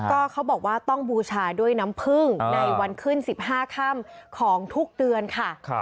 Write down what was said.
ก็เขาบอกว่าต้องบูชาด้วยน้ำผึ้งในวันขึ้น๑๕ค่ำของทุกเดือนค่ะ